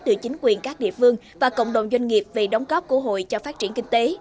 từ chính quyền các địa phương và cộng đồng doanh nghiệp về đóng góp của hội cho phát triển kinh tế